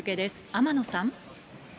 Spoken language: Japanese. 天野さん。